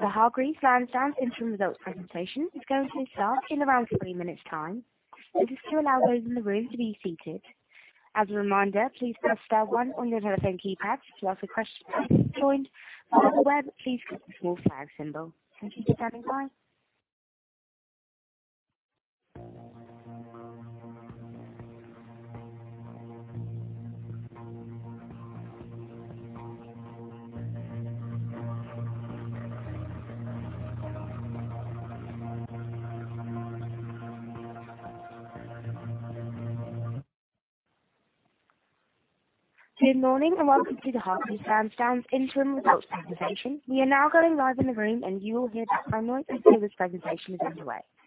The Hargreaves Lansdown interim results presentation is going to start in around three minutes' time. This is to allow those in the room to be seated. As a reminder, please press star one on your telephone keypad if you have a question. If you have joined by the web, please click the small flag symbol. Thank you for standing by. Good morning. Welcome to the Hargreaves Lansdown interim results presentation. We are now going live in the room, and you will hear the keynote as soon as the presentation is underway. You good, Scott? Yeah. Thanks, Shane.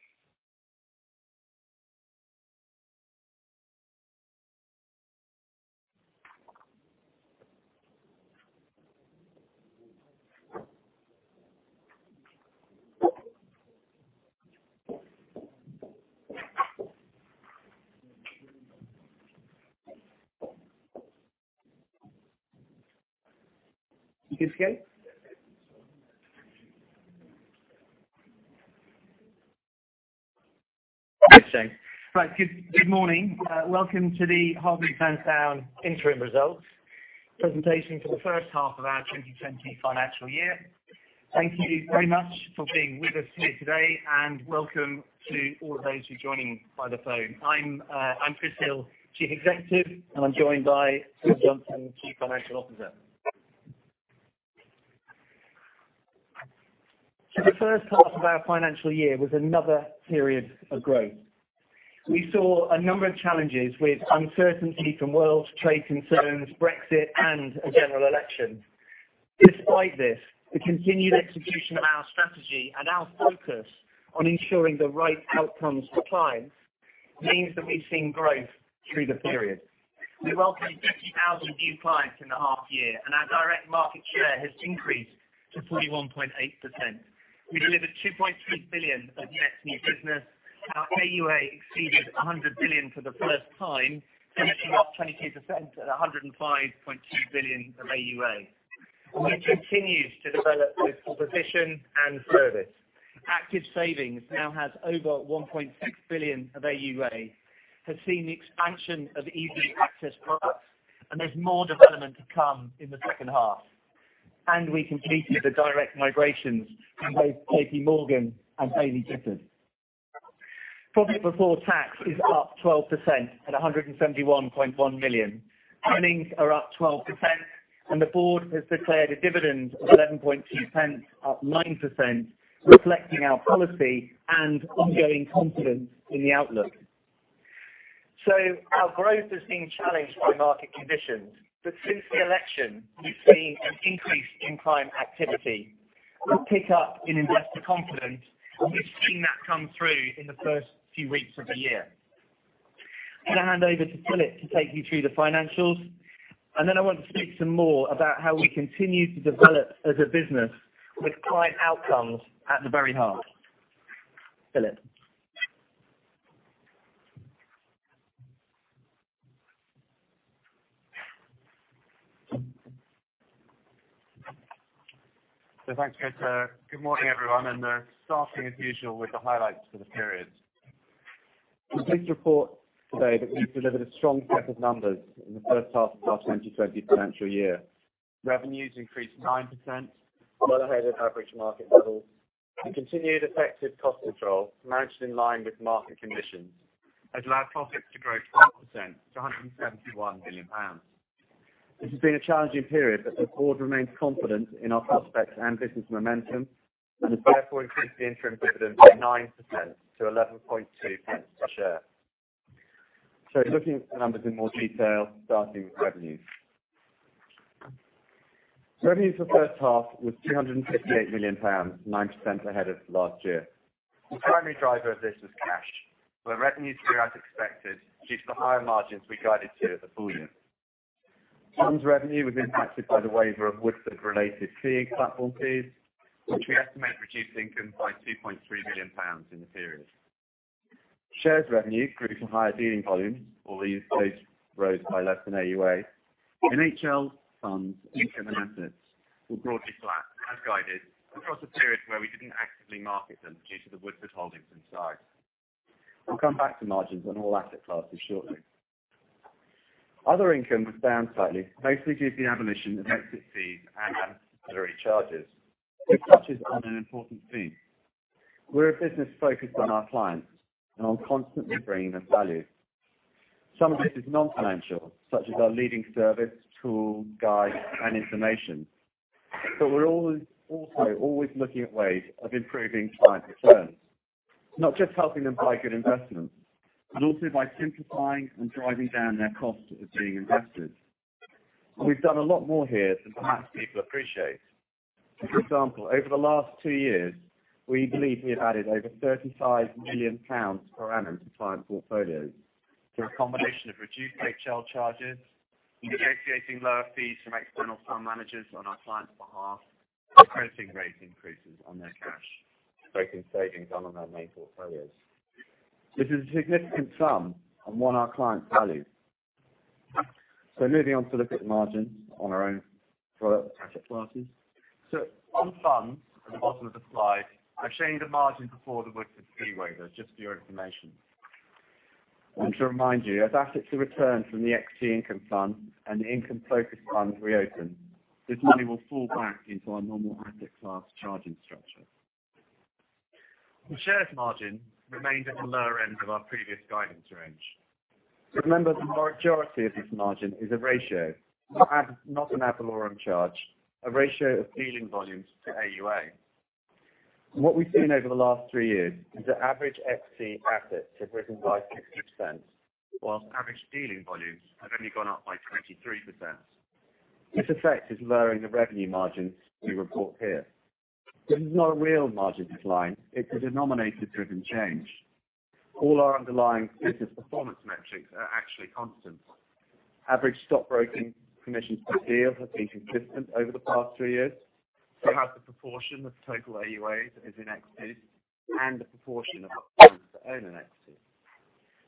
Good morning. Welcome to the Hargreaves Lansdown interim results presentation for the first half of our 2020 financial year. Thank you very much for being with us here today. Welcome to all those who are joining by the phone. I'm Chris Hill, Chief Executive, and I'm joined by Philip Johnson, Chief Financial Officer. The first half of our financial year was another period of growth. We saw a number of challenges with uncertainty from world trade concerns, Brexit, and a general election. Despite this, the continued execution of our strategy and our focus on ensuring the right outcomes for clients means that we've seen growth through the period. We welcomed 50,000 new clients in the half year, and our direct market share has increased to 41.8%. We delivered 2.3 billion of net new business. Our AUA exceeded 100 billion for the first time, finishing up 22% at 105.2 billion of AUA. We have continued to develop this proposition and service. Active Savings now has over 1.6 billion of AUA, has seen the expansion of easy access products, and there's more development to come in the second half. We completed the direct migrations from both JPMorgan and Baillie Gifford. Profit before tax is up 12% at 171.1 million. Earnings are up 12%, and the board has declared a dividend of 0.112, up 9%, reflecting our policy and ongoing confidence in the outlook. Our growth has been challenged by market conditions, but since the election, we've seen an increase in client activity, a pick up in investor confidence, and we've seen that come through in the first few weeks of the year. I'm going to hand over to Philip to take you through the financials, and then I want to speak some more about how we continue to develop as a business with client outcomes at the very heart. Philip. Thanks, Chris. Good morning, everyone, starting as usual with the highlights for the period. I'm pleased to report today that we've delivered a strong set of numbers in the first half of our 2020 financial year. Revenues increased 9%, well ahead of average market levels, and continued effective cost control managed in line with market conditions has allowed profits to grow 12% to 171 million pounds. This has been a challenging period, but the board remains confident in our prospects and business momentum and has therefore increased the interim dividend by 9% to 0.112 per share. Looking at the numbers in more detail, starting with revenues. Revenues for the first half was 258 million pounds, 9% ahead of last year. The primary driver of this was cash, where revenues grew as expected due to the higher margins we guided to at the full year. Funds revenue was impacted by the waiver of Woodford-related fee platform fees, which we estimate reduced income by 2.3 million pounds in the period. Shares revenue grew from higher dealing volumes, although usage rose by less than AUA. HL funds and investment assets were broadly flat as guided across a period where we didn't actively market them due to the Woodford Holdings insight. I'll come back to margins on all asset classes shortly. Other income was down slightly, mostly due to the abolition of exit fees and ancillary charges, which touches on an important theme. We're a business focused on our clients and on constantly bringing them value. Some of this is non-financial, such as our leading service, tools, guides, and information. We're also always looking at ways of improving client returns, not just helping them by good investments, but also by simplifying and driving down their costs of being invested. We've done a lot more here than perhaps people appreciate. For example, over the last two years, we believe we have added over 35 million pounds per annum to client portfolios through a combination of reduced HL charges, negotiating lower fees from external fund managers on our clients' behalf, and crediting rate increases on their cash, both in savings and on their main portfolios. This is a significant sum and one our clients value. Moving on to look at margins on our own product asset classes. On funds, at the bottom of the slide, I've shown you the margin before the Woodford fee waiver, just for your information. I want to remind you, as assets are returned from the equity income fund and the income-focused funds reopen, this money will fall back into our normal asset class charging structure. The shares margin remains at the lower end of our previous guidance range. Remember, the majority of this margin is a ratio, not an ad valorem charge, a ratio of dealing volumes to AUA. What we've seen over the last three years is that average FC assets have risen by 60%, whilst average dealing volumes have only gone up by 23%. This effect is lowering the revenue margins we report here. This is not a real margin decline; it is a denominator-driven change. All our underlying business performance metrics are actually constant. Average stockbroking commissions per deal have been consistent over the past three years. The proportion of the total AUAs is in equities and the proportion of our clients that own an equity.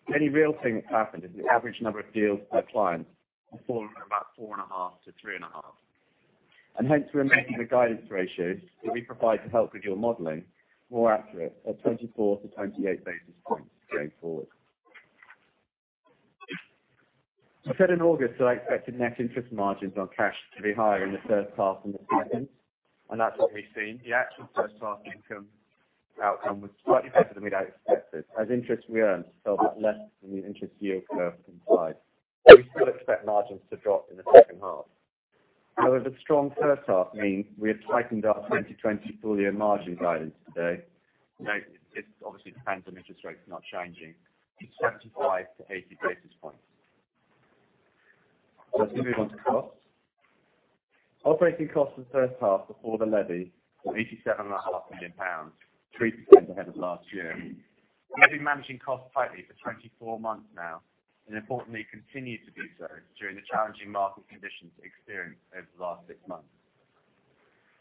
The only real thing that's happened is the average number of deals per client have fallen about 4.5 to 3.5. Hence we're making the guidance ratios that we provide to help with your modeling more accurate at 24 to 28 basis points going forward. I said in August that I expected net interest margins on cash to be higher in the first half than the second, and that's what we've seen. The actual first half income outcome was slightly better than we'd expected, as interest we earned fell bit less than the interest yield curve implied. We still expect margins to drop in the second half. However, the strong first half means we have tightened our 2020 full-year margin guidance today. It depends on interest rates not changing, it's 75 to 80 basis points. Let's move on to costs. Operating costs for the first half before the levy were 87.5 million pounds, 3% ahead of last year. We have been managing costs tightly for 24 months now, and importantly, continue to do so during the challenging market conditions experienced over the last 6 months.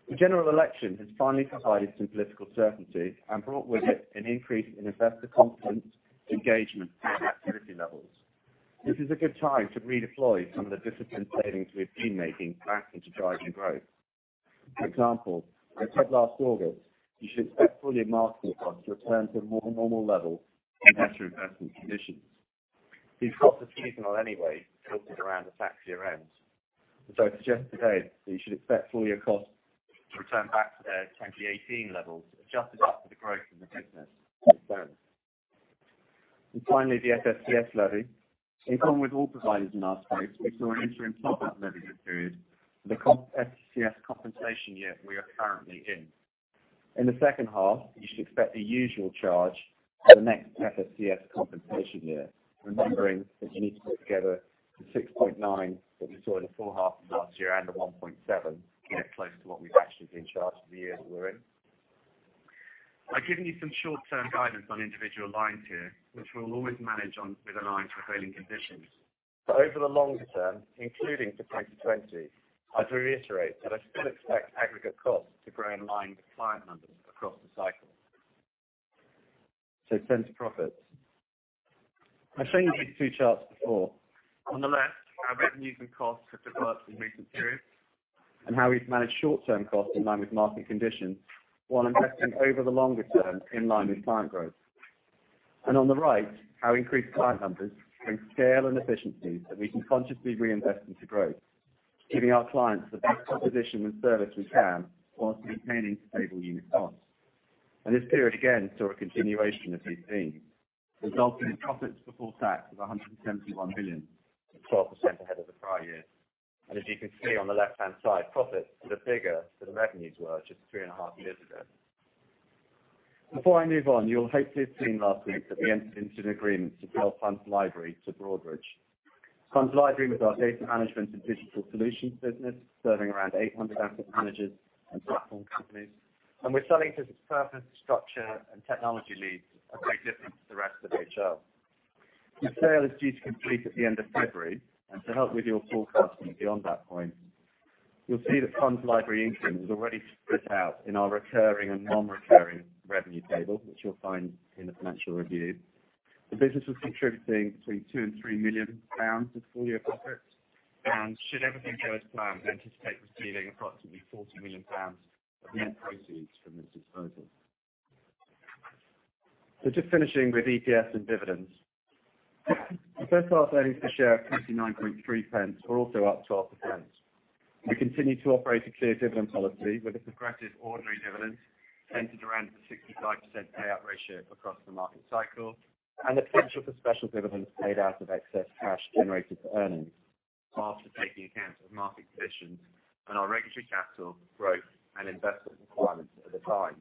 The general election has finally provided some political certainty and brought with it an increase in investor confidence, engagement, and activity levels. This is a good time to redeploy some of the disciplined savings we've been making back into driving growth. For example, I said last August you should expect full-year marketing costs to return to a more normal level in better investment conditions. These costs are seasonal anyway, filtered around the tax year end. I suggest today that you should expect full-year costs to return back to their 2018 levels, adjusted up for the growth in the business going forward. Finally, the FSCS levy. In common with all providers in our space, we saw an interim top-up levy this period for the FSCS compensation year we are currently in. In the second half, you should expect the usual charge for the next FSCS compensation year, remembering that you need to put together the 6.9 that we saw in the full half of last year and the 1.7 to get close to what we've actually been charged for the year that we're in. I've given you some short-term guidance on individual lines here, which we will always manage with an eye to prevailing conditions. Over the longer term, including for 2020, I'd reiterate that I still expect aggregate costs to grow in line with client numbers across the cycle. To profits. I've shown you these two charts before. On the left, how revenues and costs have developed in recent periods, and how we've managed short-term costs in line with market conditions while investing over the longer term in line with client growth. On the right, how increased client numbers bring scale and efficiencies that we can consciously reinvest into growth, giving our clients the best proposition and service we can whilst maintaining stable unit costs. This period, again, saw a continuation of these themes, resulting in profits before tax of 171 billion, 12% ahead of the prior year. As you can see on the left-hand side, profits were bigger than the revenues were just three and a half years ago. Before I move on, you'll hopefully have seen last week that we entered into an agreement to sell FundsLibrary to Broadridge. FundsLibrary was our data management and digital solutions business, serving around 800 asset managers and platform companies. We're selling to purpose, structure, and technology leads that are very different to the rest of HL. The sale is due to complete at the end of February, and to help with your forecasting beyond that point, you'll see that FundsLibrary income is already split out in our recurring and non-recurring revenue table, which you'll find in the financial review. The business was contributing between 2 million and 3 million pounds of full-year profits, and should everything go as planned, we anticipate receiving approximately 40 million pounds of net proceeds from this disposal. Just finishing with EPS and dividends. First half earnings per share of 0.293 were also up 12%. We continue to operate a clear dividend policy with a progressive ordinary dividend centered around a 65% payout ratio across the market cycle, and the potential for special dividends paid out of excess cash generated from earnings after taking account of market conditions and our regulatory capital growth and investment requirements at the time.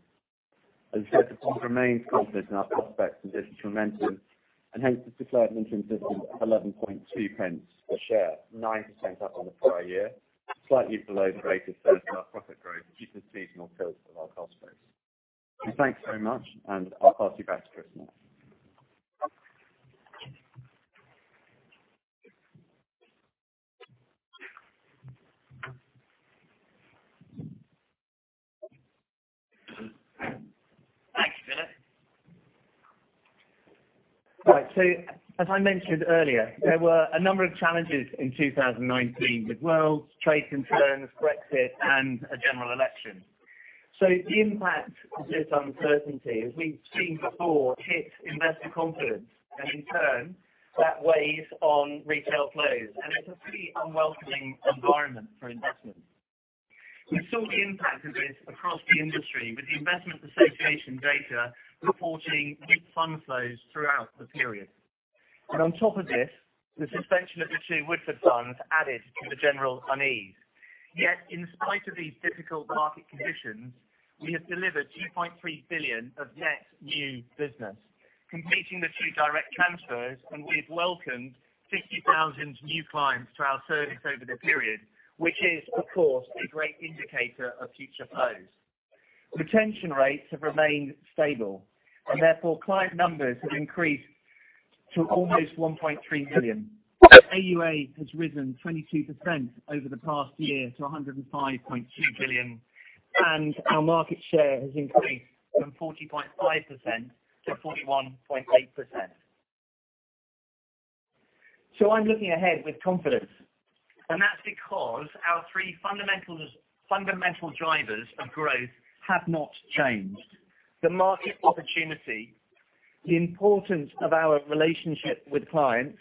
As I said, the board remains confident in our prospects and business momentum and hence has declared an interim dividend of 0.112 per share, 9% up on the prior year, slightly below the rate of sales and our profit growth due to the seasonal profile of our cost base. Thanks very much, and I'll pass you back to Chris now. Thanks, Philip. Right. As I mentioned earlier, there were a number of challenges in 2019 with worlds, trade concerns, Brexit, and a general election. The impact of this uncertainty, as we've seen before, hit investor confidence, and in turn, that weighs on retail flows, and it's a pretty unwelcoming environment for investments. We saw the impact of this across the industry with The Investment Association data reporting weak fund flows throughout the period. On top of this, the suspension of the two Woodford funds added to the general unease. Yet in spite of these difficult market conditions, we have delivered 2.3 billion of net new business, completing the two direct transfers, and we've welcomed 50,000 new clients to our service over the period, which is, of course, a great indicator of future flows. Retention rates have remained stable, and therefore client numbers have increased to almost 1.3 million. AUA has risen 22% over the past year to 105.2 billion, and our market share has increased from 40.5% to 41.8%. I'm looking ahead with confidence, and that's because our three fundamental drivers of growth have not changed. The market opportunity, the importance of our relationship with clients,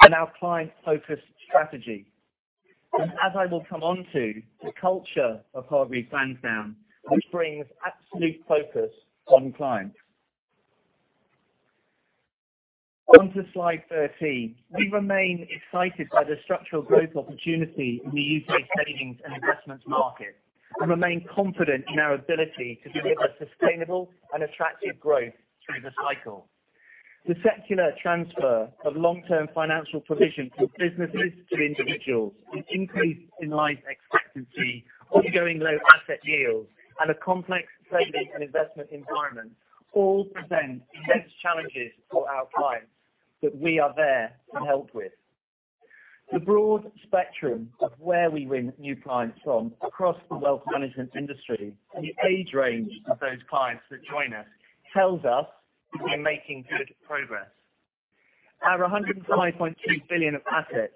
and our client-focused strategy. As I will come on to the culture of Hargreaves Lansdown, which brings absolute focus on clients. On to slide 13. We remain excited by the structural growth opportunity in the U.K. savings and investments market and remain confident in our ability to deliver sustainable and attractive growth through the cycle. The secular transfer of long-term financial provision from businesses to individuals, the increase in life expectancy, ongoing low asset yields, and a complex savings and investment environment all present immense challenges for our clients that we are there to help with. The broad spectrum of where we win new clients from across the wealth management industry and the age range of those clients that join us tells us that we're making good progress. Our 105.2 billion of assets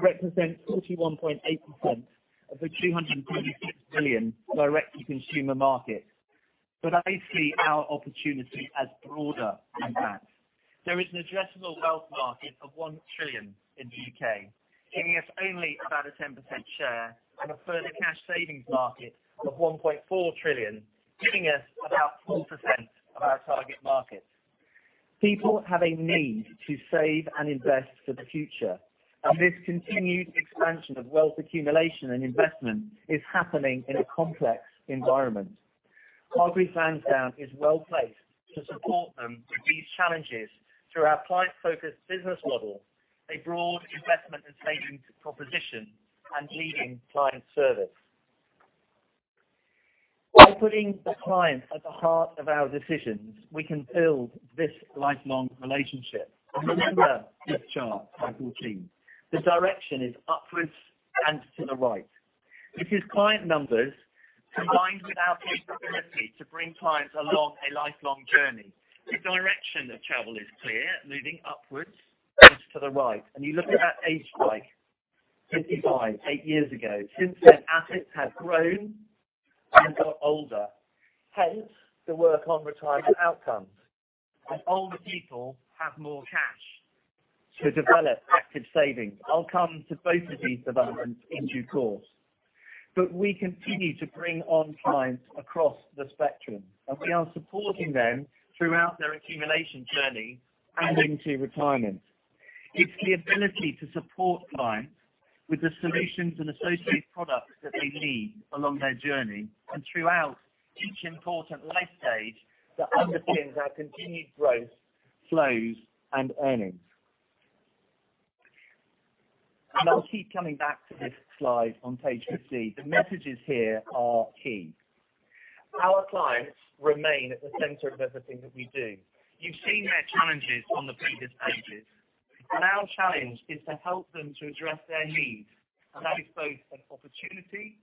represent 41.8% of the 236 billion direct-to-consumer market. I see our opportunity as broader than that. There is an addressable wealth market of 1 trillion in the U.K., giving us only about a 10% share and a further cash savings market of 1.4 trillion, giving us about 4% of our target market. People have a need to save and invest for the future, and this continued expansion of wealth accumulation and investment is happening in a complex environment. Hargreaves Lansdown is well-placed to support them with these challenges through our client-focused business model, a broad investment and savings proposition, and leading client service. By putting the client at the heart of our decisions, we can build this lifelong relationship. Remember this chart on 14. The direction is upwards and to the right. This is client numbers combined with our capability to bring clients along a lifelong journey. The direction of travel is clear, moving upwards and to the right. You look at that age spike, 55, eight years ago. Since then, assets have grown and got older. Hence, the work on retirement outcomes. Older people have more cash to develop Active Savings. I'll come to both of these developments in due course. We continue to bring on clients across the spectrum, and we are supporting them throughout their accumulation journey and into retirement. It's the ability to support clients with the solutions and associated products that they need along their journey and throughout each important life stage that underpins our continued growth, flows, and earnings. I'll keep coming back to this slide on page 15. The messages here are key. Our clients remain at the center of everything that we do. You've seen their challenges on the previous pages. Our challenge is to help them to address their needs. That is both an opportunity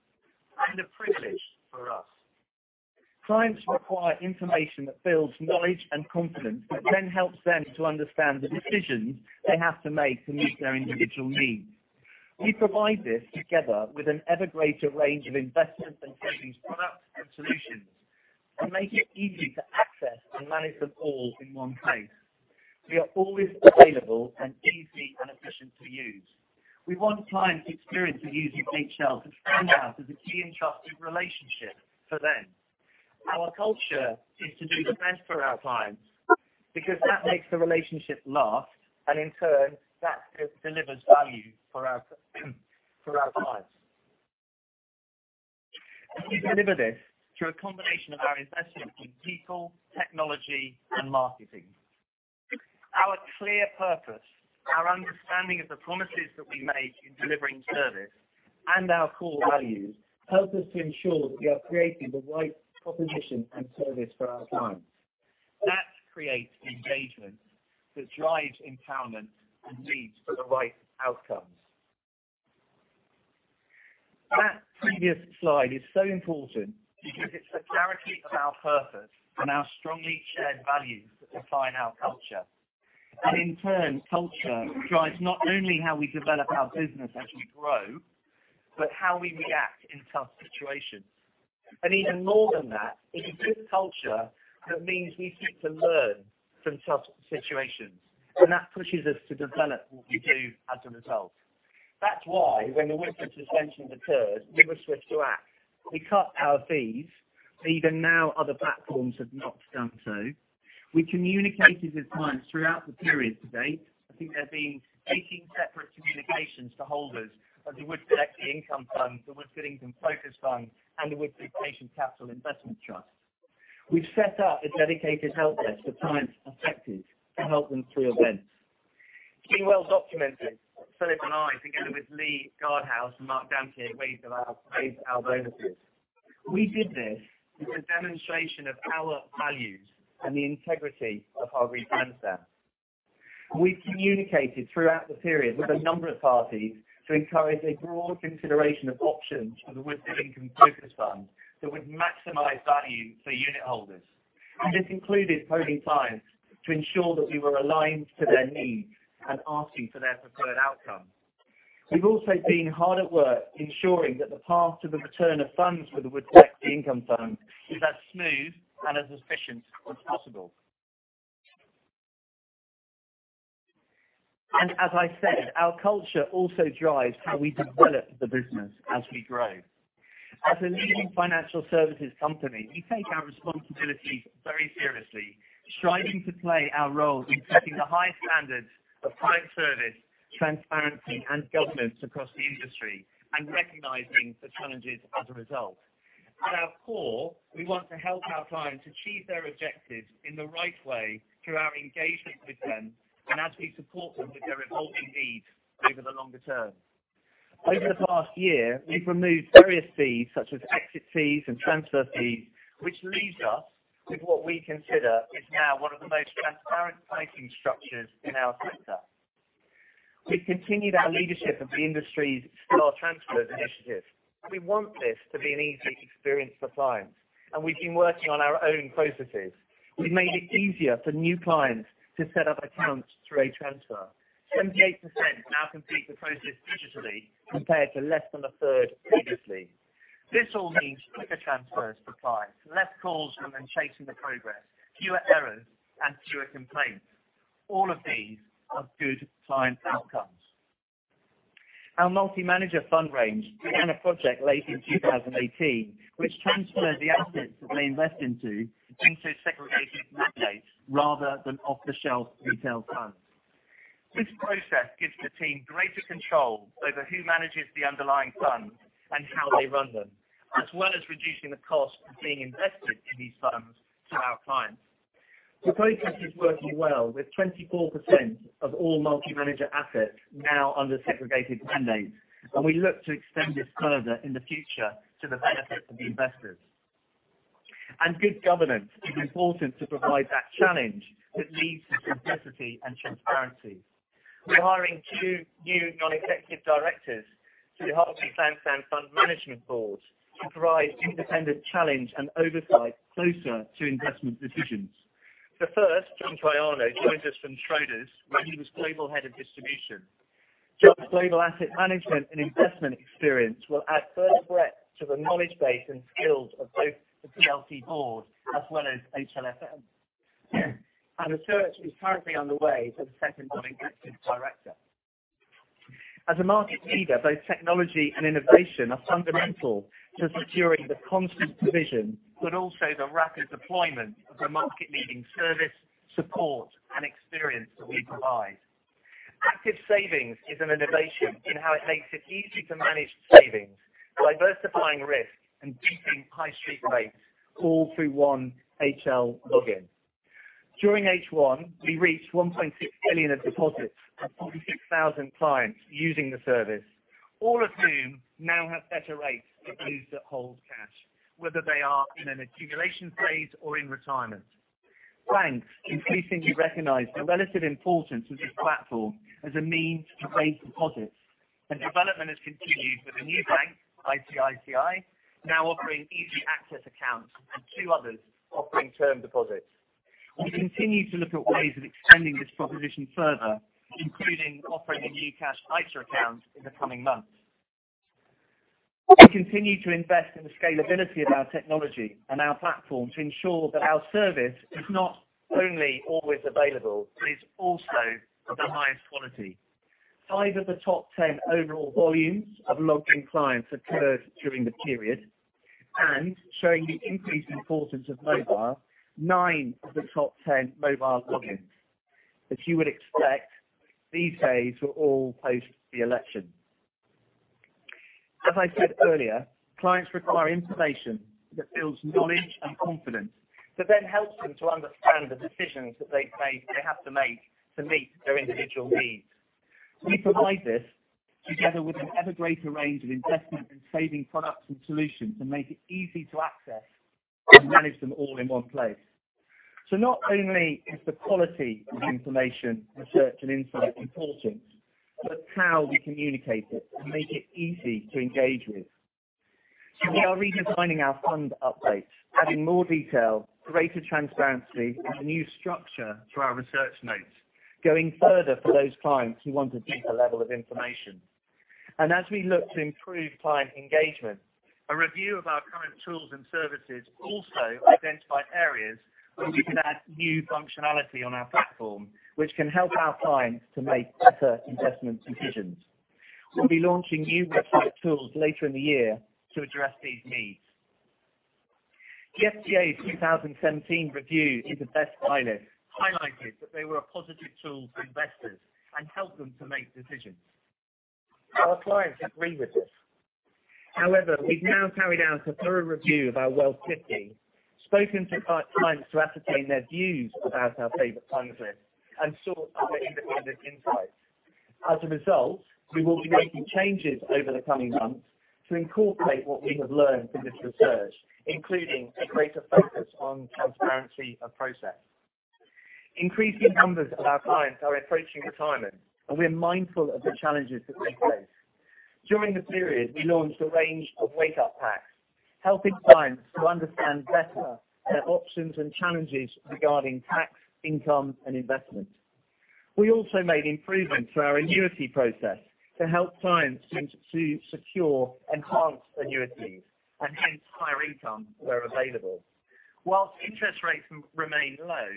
and a privilege for us. Clients require information that builds knowledge and confidence that then helps them to understand the decisions they have to make to meet their individual needs. We provide this together with an ever greater range of investment and savings products and solutions and make it easy to access and manage them all in one place. We are always available and easy and efficient to use. We want clients experience of using HL to stand out as a key and trusted relationship for them. Our culture is to do the best for our clients because that makes the relationship last, and in turn, that delivers value for our clients. We deliver this through a combination of our investment in people, technology, and marketing. Our clear purpose, our understanding of the promises that we make in delivering service, and our core values help us to ensure that we are creating the right proposition and service for our clients. That creates engagement that drives empowerment and leads to the right outcomes. That previous slide is so important because it's the clarity of our purpose and our strongly shared values that define our culture. In turn, culture drives not only how we develop our business as we grow, but how we react in tough situations. Even more than that, it's a good culture that means we seek to learn from tough situations, and that pushes us to develop what we do as a result. That's why when the Woodford suspension occurred, we were swift to act. We cut our fees, and even now other platforms have not done so. We communicated with clients throughout the period to date. I think there have been 18 separate communications to holders of the Woodford Equity Income Fund, the Woodford Income Focus Fund, and the Woodford Patient Capital Investment Trust. We've set up a dedicated helpline for clients affected to help them through events. It's been well-documented, Philip and I, together with Lee Gardhouse and Mark Dampier, waived our bonuses. We did this as a demonstration of our values and the integrity of Hargreaves Lansdown. We've communicated throughout the period with a number of parties to encourage a broad consideration of options for the Woodford Income Focus Fund that would maximize value for unit holders. This included probing clients to ensure that we were aligned to their needs and asking for their preferred outcome. We've also been hard at work ensuring that the path to the return of funds for the Woodford Income Fund is as smooth and as efficient as possible. As I said, our culture also drives how we develop the business as we grow. As a leading financial services company, we take our responsibilities very seriously, striving to play our role in setting the high standards of client service, transparency, and governance across the industry and recognizing the challenges as a result. At our core, we want to help our clients achieve their objectives in the right way through our engagement with them and as we support them with their evolving needs over the longer term. Over the past year, we've removed various fees such as exit fees and transfer fees, which leaves us with what we consider is now one of the most transparent pricing structures in our sector. We've continued our leadership of the industry's SIPP transfers initiative. We want this to be an easy experience for clients, and we've been working on our own processes. We've made it easier for new clients to set up accounts through a transfer. 78% now complete the process digitally, compared to less than a third previously. This all means quicker transfers for clients, less calls from them chasing the progress, fewer errors, and fewer complaints. All of these are good client outcomes. Our multi-manager fund range began a project late in 2018 which transferred the assets that they invest into segregated mandates rather than off-the-shelf retail funds. This process gives the team greater control over who manages the underlying funds and how they run them, as well as reducing the cost of being invested in these funds to our clients. The process is working well, with 24% of all multi-manager assets now under segregated mandates, and we look to extend this further in the future to the benefit of the investors. Good governance is important to provide that challenge that leads to simplicity and transparency. We're hiring two new non-executive directors to the Hargreaves Lansdown Fund Management board to provide independent challenge and oversight closer to investment decisions. The first, John Troiano, joins us from Schroders, where he was Global Head of Distribution. John's global asset management and investment experience will add further breadth to the knowledge base and skills of both the PLC board as well as HLFM. A search is currently underway for the second non-executive director. As a market leader, both technology and innovation are fundamental to securing the constant provision, but also the rapid deployment of the market-leading service, support, and experience that we provide. Active Savings is an innovation in how it makes it easy to manage savings, diversifying risk and beating high street rates all through one HL login. During H1, we reached 1.6 billion of deposits from 46,000 clients using the service, all of whom now have better rates than those that hold cash, whether they are in an accumulation phase or in retirement. Banks increasingly recognize the relative importance of this platform as a means to raise deposits, and development has continued with a new bank, ICICI, now offering easy access accounts and two others offering term deposits. We continue to look at ways of extending this proposition further, including offering a new Cash ISA account in the coming months. We continue to invest in the scalability of our technology and our platform to ensure that our service is not only always available but is also of the highest quality. Five of the top ten overall volumes of logged-in clients occurred during the period, showing the increased importance of mobile, nine of the top ten mobile logins. As you would expect, these days were all post the election. As I said earlier, clients require information that builds knowledge and confidence that then helps them to understand the decisions that they have to make to meet their individual needs. We provide this together with an ever greater range of investment and saving products and solutions and make it easy to access and manage them all in one place. Not only is the quality of information, research, and insight important, but how we communicate it and make it easy to engage with. We are redesigning our fund updates, adding more detail, greater transparency, and a new structure to our research notes, going further for those clients who want a deeper level of information. As we look to improve client engagement, a review of our current tools and services also identified areas where we can add new functionality on our platform, which can help our clients to make better investment decisions. We'll be launching new website tools later in the year to address these needs. The FCA 2017 review into best buy lists highlighted that they were a positive tool for investors and helped them to make decisions. Our clients agree with this. However, we've now carried out a thorough review of our Wealth Shortlist, spoken to clients to ascertain their views about our favorite funds list, and sought other independent insights. As a result, we will be making changes over the coming months to incorporate what we have learned from this research, including a greater focus on transparency of process. Increasing numbers of our clients are approaching retirement, and we are mindful of the challenges that this brings. During the period, we launched a range of wake-up packs, helping clients to understand better their options and challenges regarding tax, income, and investment. We also made improvements to our annuity process to help clients to secure enhanced annuities and hence higher incomes where available. Whilst interest rates remain low,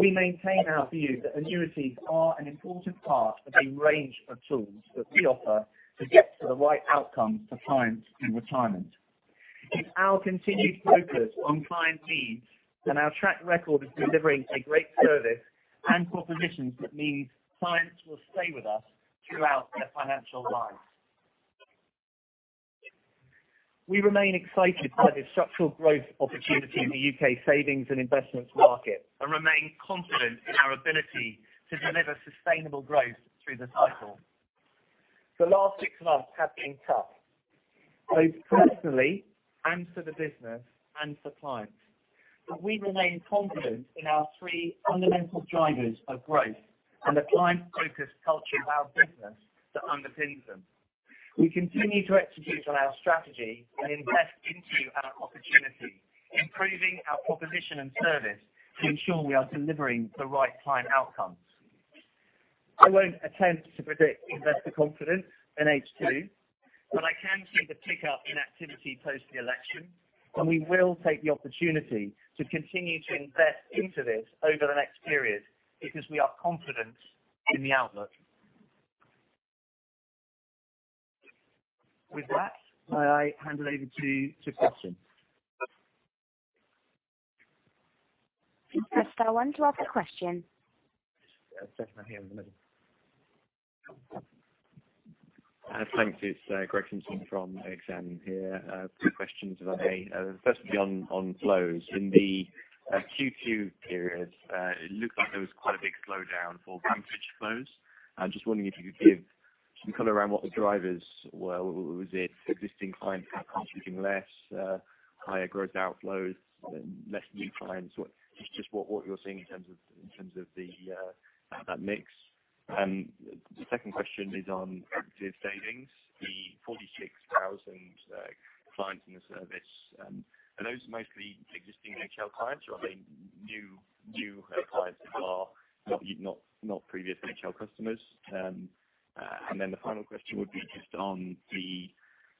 we maintain our view that annuities are an important part of the range of tools that we offer to get to the right outcomes for clients in retirement. It's our continued focus on client needs and our track record of delivering a great service and propositions that means clients will stay with us throughout their financial lives. We remain excited by the structural growth opportunity in the U.K. savings and investments market and remain confident in our ability to deliver sustainable growth through the cycle. The last six months have been tough, both personally and for the business and for clients. We remain confident in our three fundamental drivers of growth and the client-focused culture of our business that underpins them. We continue to execute on our strategy and invest into our opportunities, improving our proposition and service to ensure we are delivering the right client outcomes. I won't attempt to predict investor confidence in H2, but I can see the pickup in activity post the election, and we will take the opportunity to continue to invest into this over the next period because we are confident in the outlook. With that, I hand over to questions. Press star one to ask a question. There's a gentleman here in the middle. Thanks. It's Greg Simpson from Exane here. Two questions if I may. First would be on flows. In the Q2 period, it looked like there was quite a big slowdown for brokerage flows. I'm just wondering if you could give some color around what the drivers were. Was it existing clients contributing less, higher gross outflows, less new clients? Just what you're seeing in terms of that mix. The second question is on Active Savings. The 46,000 clients in the service, are those mostly existing HL clients or are they new clients that are not previous HL customers? The final question would be just on the,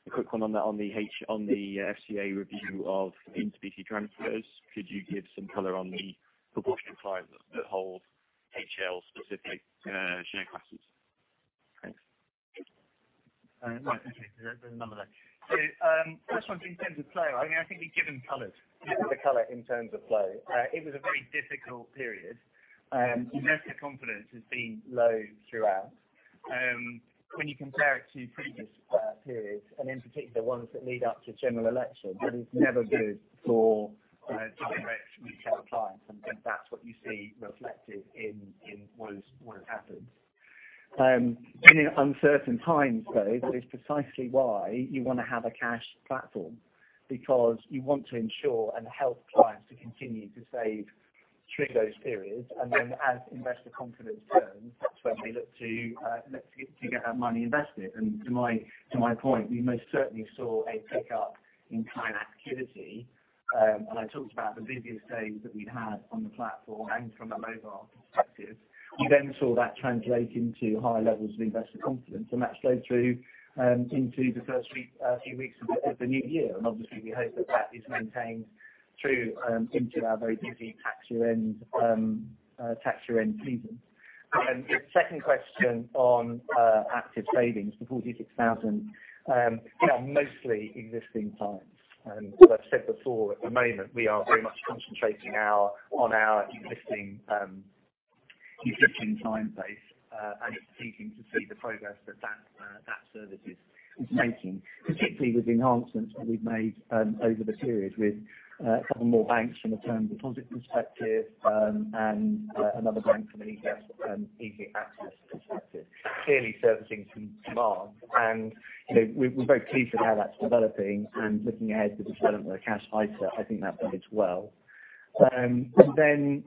a quick one on the FCA review of in-specie transfers. Could you give some color on the proportion of clients that hold HL specific share classes? Thanks. Right, okay. There's a number there. First one's in terms of flow. I think we've given colors. We've given the color in terms of flow. It was a very difficult period. Investor confidence has been low throughout. When you compare it to previous periods, and in particular ones that lead up to general election, that is never good for direct retail clients. That's what you see reflected in what has happened. In uncertain times, though, that is precisely why you want to have a cash platform, because you want to ensure and help clients to continue to save through those periods. As investor confidence turns, that's when we look to get that money invested. To my point, we most certainly saw a pickup in client activity. I talked about the busiest days that we'd had on the platform and from a mobile perspective. You then saw that translate into higher levels of investor confidence, and that showed through into the first few weeks of the new year. Obviously we hope that is maintained through into our very busy tax year end season. Your second question on Active Savings, the 46,000. Yeah, mostly existing clients. As I've said before, at the moment, we are very much concentrating on our existing client base and are pleased to see the progress that service is making, particularly with enhancements that we've made over the period with a couple more banks from a term deposit perspective, and another bank from an easy access perspective. Clearly servicing some demand. We're very pleased with how that's developing and looking ahead to the development of the Cash ISA, I think that bodes well.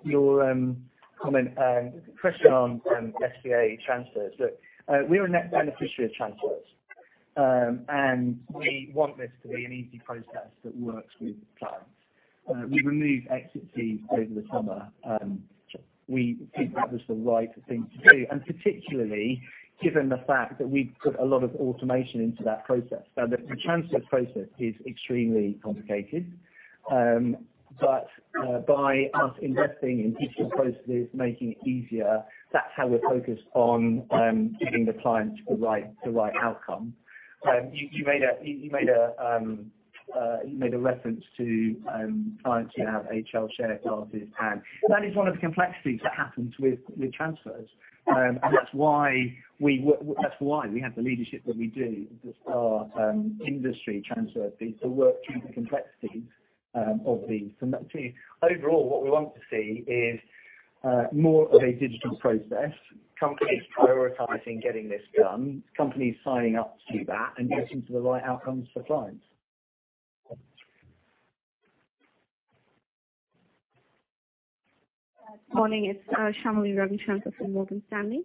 Your comment-question on SVA transfers. Look, we are a net beneficiary of transfers, and we want this to be an easy process that works with clients. We removed exit fees over the summer. We think that was the right thing to do, and particularly given the fact that we put a lot of automation into that process. Now, the transfer process is extremely complicated. By us investing in digital processes, making it easier, that's how we're focused on giving the clients the right outcome. You made a reference to clients who have HL share classes, and that is one of the complexities that happens with transfers. That's why we have the leadership that we do with our industry transfer fees to work through the complexities of these. Actually, overall, what we want to see is more of a digital process, companies prioritizing getting this done, companies signing up to that, and getting to the right outcomes for clients. Morning, it's Shamali Ravi Chandran from Morgan Stanley.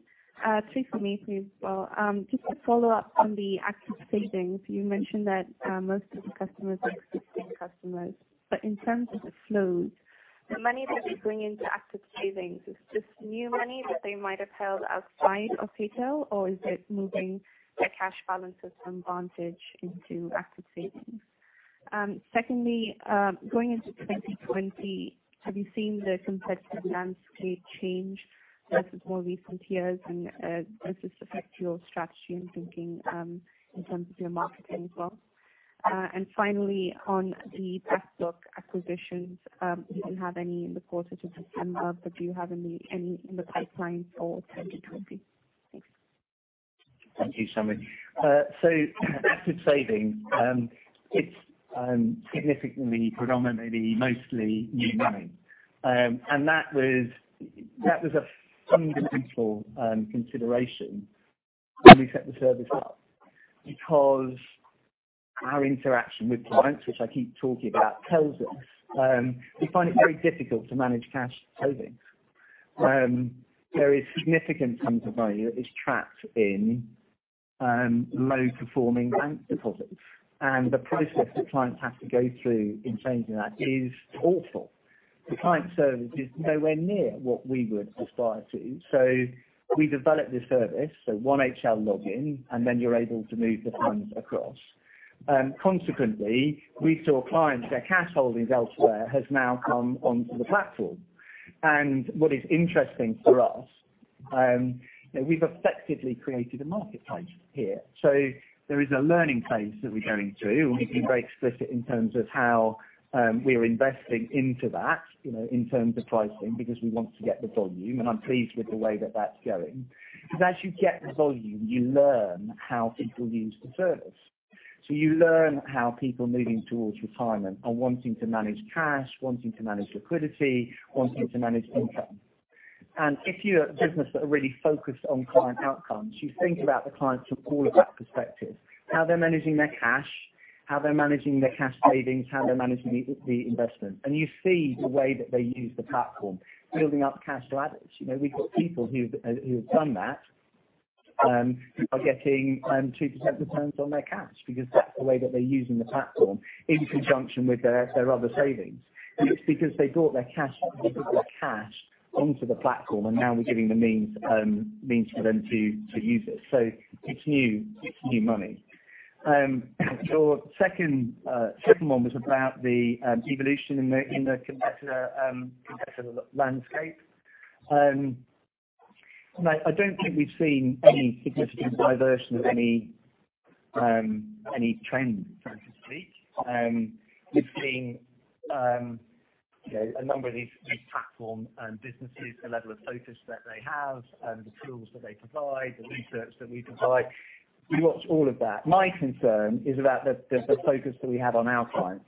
Three for me, please, Paul. Just to follow up on the Active Savings, you mentioned that most of the customers are existing customers, but in terms of the flows, the money that they bring into Active Savings, is this new money that they might have held outside of HL, or is it moving their cash balances from Vantage into Active Savings? Secondly, going into 2020, have you seen the competitive landscape change versus more recent years and does this affect your strategy and thinking in terms of your marketing as well? Finally, on the back book acquisitions, you didn't have any in the quarter to December, but do you have any in the pipeline for 2020? Thanks. Thank you, Shamali. Active Savings, it's significantly, predominantly mostly new money. That was a fundamental consideration when we set the service up because our interaction with clients, which I keep talking about, tells us they find it very difficult to manage cash savings. There is significant tons of value that is trapped in low-performing bank deposits. The process that clients have to go through in changing that is awful. The client service is nowhere near what we would aspire to. We developed this service, so one HL login, and then you're able to move the funds across. Consequently, we saw clients, their cash holdings elsewhere has now come onto the platform. What is interesting for us, we've effectively created a marketplace here. There is a learning phase that we're going through, and we've been very explicit in terms of how we're investing into that, in terms of pricing, because we want to get the volume, and I'm pleased with the way that that's going. As you get the volume, you learn how people use the service. You learn how people moving towards retirement are wanting to manage cash, wanting to manage liquidity, wanting to manage income. If you are a business that are really focused on client outcomes, you think about the clients from all of that perspective, how they're managing their cash, how they're managing their cash savings, how they're managing the investment. You see the way that they use the platform, building up cash ladders. We've got people who have done that are getting 2% returns on their cash because that's the way that they're using the platform in conjunction with their other savings. It's because they brought their cash onto the platform, and now we're giving the means for them to use it. It's new money. Your second one was about the evolution in the competitor landscape. I don't think we've seen any significant diversion of any trend, so to speak. We've seen a number of these platform businesses, the level of focus that they have and the tools that they provide, the research that we provide. We watch all of that. My concern is about the focus that we have on our clients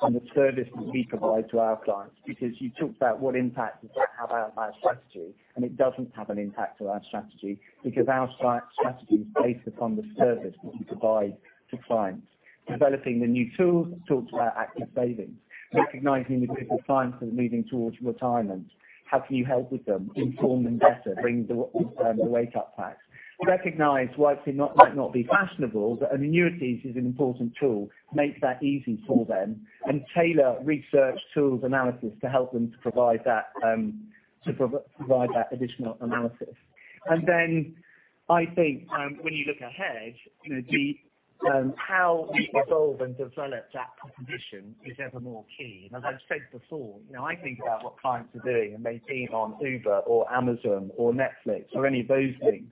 and the service that we provide to our clients. You talked about what impact does that have on our strategy, it doesn't have an impact on our strategy because our strategy is based upon the service that we provide to clients. Developing the new tools, talk to our Active Savings, recognizing the group of clients that are moving towards retirement. How can you help with them, inform them better, bring the wake-up packs. Recognize why it might not be fashionable, but an annuity is an important tool, make that easy for them, tailor research tools analysis to help them to provide that additional analysis. Then I think when you look ahead, how we evolve and develop that proposition is ever more key. As I've said before, I think about what clients are doing, they've been on Uber or Amazon or Netflix or any of those things.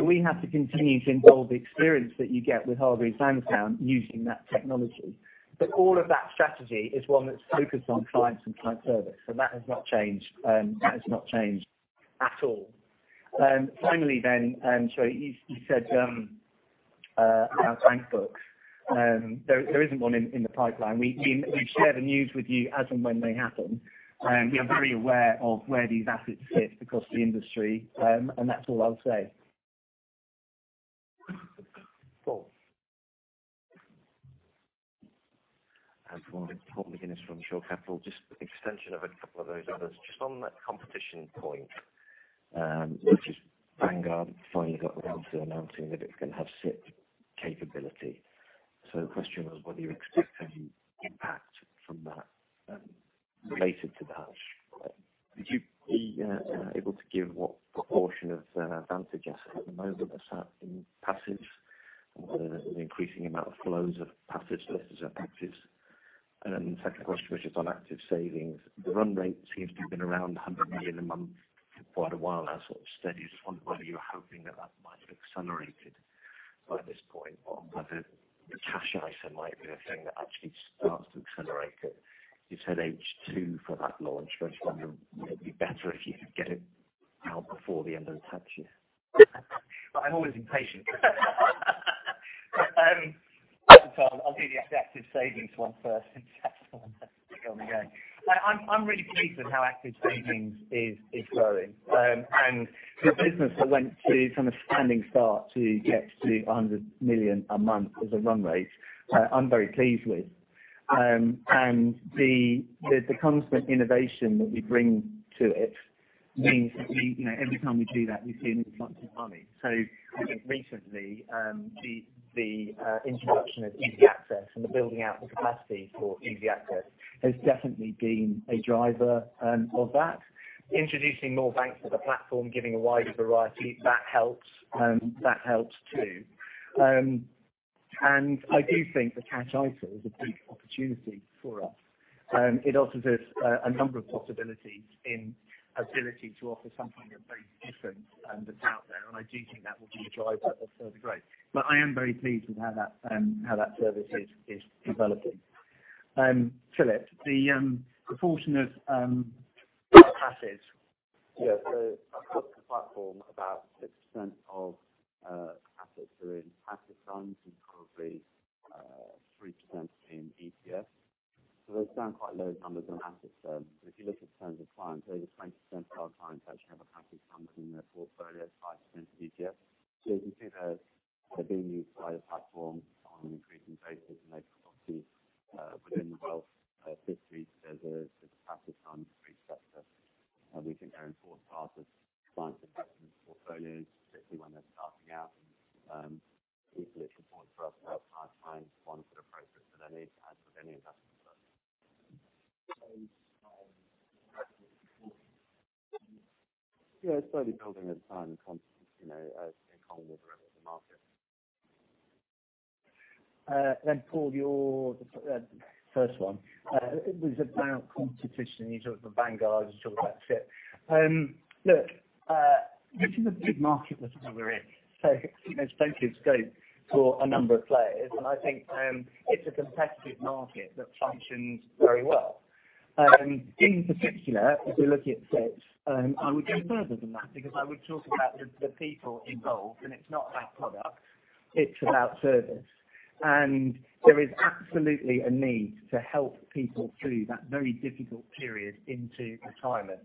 We have to continue to evolve the experience that you get with Hargreaves Lansdown using that technology. All of that strategy is one that's focused on clients and client service, that has not changed. That has not changed at all. Finally, you said about back book. There isn't one in the pipeline. We share the news with you as and when they happen. We are very aware of where these assets sit across the industry, that's all I'll say. Paul McGuinness from Schroders Capital. Just extension of a couple of those others. Just on that competition point, which is Vanguard finally got around to announcing that it's going to have SIPP capability. The question was whether you expect any impact from that, related to that. Would you be able to give what proportion of Vantage assets at the moment are sat in passive? Whether the increasing amount of flows of passive versus active. Second question, which is on Active Savings. The run rate seems to have been around 100 million a month for quite a while now, sort of steady. Just wonder whether you were hoping that that might have accelerated by this point or whether the Cash ISA might be the thing that actually starts to accelerate it. You said H2 for that launch. I just wonder would it be better if you could get it out before the end of the tax year? I'm always impatient. I'll do the Active Savings one first and get on with going. I'm really pleased with how Active Savings is growing. For a business that went to from a standing start to get to a 100 million a month as a run rate, I'm very pleased with. The constant innovation that we bring to it means that every time we do that, we see an influx of money. I think recently, the introduction of easy access and the building out the capacity for easy access has definitely been a driver of that. Introducing more banks to the platform, giving a wider variety, that helps too. I do think the Cash ISA is a big opportunity for us. It offers us a number of possibilities in ability to offer something that's very different that's out there, and I do think that will be a driver of further growth. I am very pleased with how that service is developing. Philip, the proportion of assets Yeah. Across the platform, about 6% of assets are in active funds, and probably 3% are in ETF. They're down quite low numbers on active. If you look at terms of clients, over 20% of our clients actually have a passive fund within their portfolio, 5% ETF. As you can see, they're being used by the platform on an increasing basis, and they've obviously within the wealth industry, there's a passive fund for each sector. We think they're an important part of clients' investment portfolios, particularly when they're starting out. Equally, it's important for us to help our clients sponsor the process that they need to have with any investment firm. Yeah, it's slowly building as time comes in common with the rest of the market. Paul, your first one. It was about competition, you talked of Vanguard, you talked about SIPP. Look, this is a big market that we're in. Plenty of scope for a number of players, and I think it's a competitive market that functions very well. In particular, if you're looking at SIPPs, I would go further than that because I would talk about the people involved, and it's not about product, it's about service. There is absolutely a need to help people through that very difficult period into retirement.